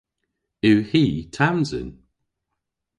Yw hi Tamzyn?